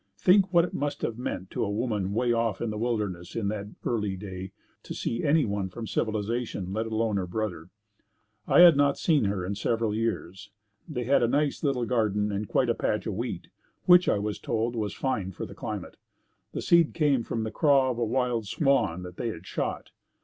Think what it must have meant to a woman way off in the wilderness in that early day to see anyone from civilization, let alone her brother. I had not seen her in several years. They had a nice little garden and quite a patch of wheat, which I was told was fine for the climate. The seed came from the craw of a wild swan that they had shot.